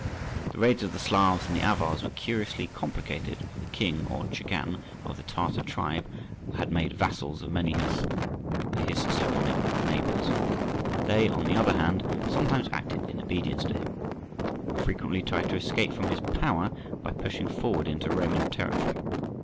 The raids of the Slavs and the Avars were curiously complicated, for the king, or Chagan, of the Tartar tribe had made vassals of many of his Slavonic neighbours. They, on the other hand, sometimes acted in obedience to him, but more frequently tried to escape from his power by pushing forward into Roman territory.